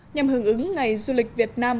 nhằm hưởng ứng ngày du lịch việt nam